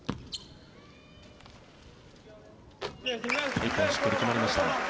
１本、しっかり決まりました。